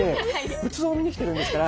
仏像を見に来てるんですから！